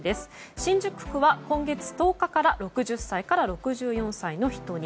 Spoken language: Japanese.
新宿区は今月１０日から６０歳から６４歳の人に。